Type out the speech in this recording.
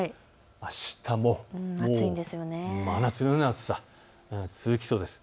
あしたも真夏のような暑さ、続きそうです。